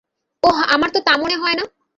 ওহ, আমার তো তা মনে হয় না।